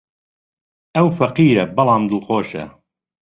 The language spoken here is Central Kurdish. ئەو فەقیرە، بەڵام دڵخۆشە.